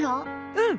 うん。